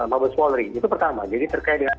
mabes polri itu pertama jadi terkait dengan